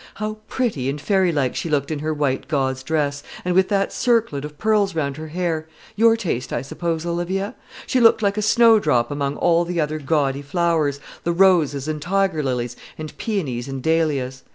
How pretty and fairy like she looked in her white gauze dress, and with that circlet of pearls round her hair! Your taste, I suppose, Olivia? She looked like a snow drop among all the other gaudy flowers, the roses and tiger lilies, and peonies and dahlias.